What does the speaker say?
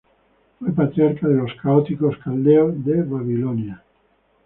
Fue patriarca de los católicos caldeos de Babilonia.